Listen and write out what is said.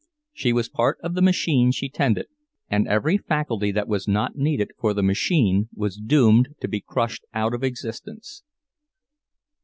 She was part of the machine she tended, and every faculty that was not needed for the machine was doomed to be crushed out of existence.